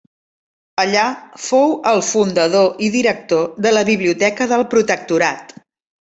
Allà, fou el fundador i director de la Biblioteca del Protectorat.